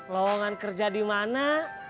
lawangan kerja dimana